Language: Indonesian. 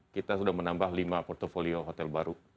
kita sudah menambah lima portfolio hotel baru